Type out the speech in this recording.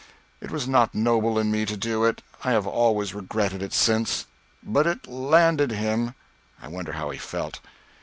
It was not noble in me to do it. I have always regretted it since. But it landed him. I wonder how he felt?